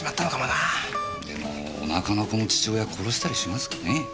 でもお腹の子の父親殺したりしますかね？